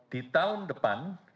di tahun depan